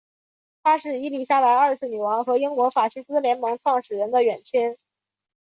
他是伊丽莎白二世女王和英国法西斯联盟创始人的远亲。